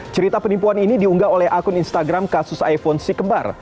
cerita penipuan ini diunggah oleh akun instagram kasus iphone sikembar